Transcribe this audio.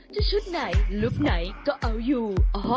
จะชุดไหนลูปไหนก็เอาอยู่อ้อ